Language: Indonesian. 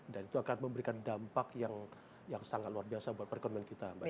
dan itu akan memberikan dampak yang sangat luar biasa buat perekonomian kita